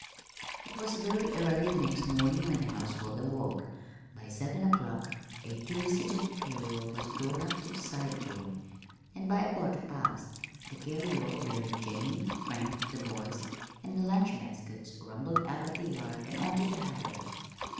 It was very early the next morning when the household awoke. By seven o'clock a two seated carryall was drawn up to the side door, and by a quarter past the carryall, bearing Jennie, Frank, the boys, and the lunch baskets, rumbled out of the yard and on to the highway.